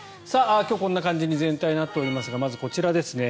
今日はこんな感じに全体なっていますがまず、こちらですね。